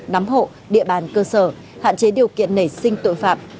nắm hộ địa bàn cơ sở hạn chế điều kiện nảy sinh tội phạm